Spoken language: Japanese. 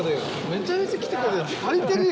めちゃめちゃ来てくれた足りてる？